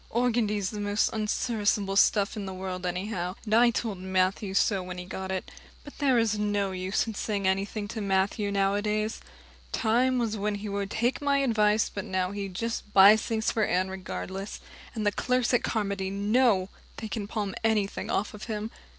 Organdy's the most unserviceable stuff in the world anyhow, and I told Matthew so when he got it. But there is no use in saying anything to Matthew nowadays. Time was when he would take my advice, but now he just buys things for Anne regardless, and the clerks at Carmody know they can palm anything off on him.